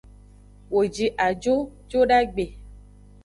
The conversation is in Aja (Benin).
Wo ji ajo jodagbe.